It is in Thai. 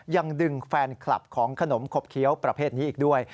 ยังดึงแฟนคลับของขนมขบเคี้ยวประเภทนี้อีกด้วย